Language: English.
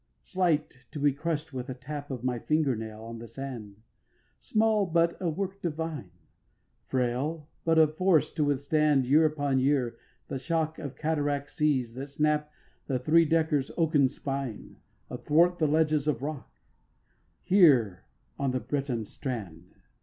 4. Slight, to be crush' d with a tap Of my finger nail on the sand, Small, but a work divine, Frail, but of force to withstand, Year upon year, the shock Of cataract seas that snap The three decker's oaken spine Athwart the ledges of rock, Here on the Breton strand!